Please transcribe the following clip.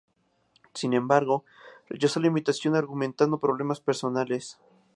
Sin embargo, rechazó la invitación argumentando problemas personales.